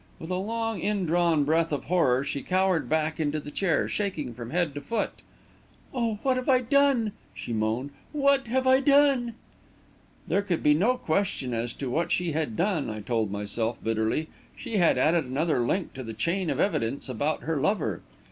With a long, indrawn breath of horror, she cowered back into the chair, shaking from head to foot. "Oh, what have I done!" she moaned. "What have I done?" There could be no question as to what she had done, I told myself, bitterly: she had added another link to the chain of evidence about her lover.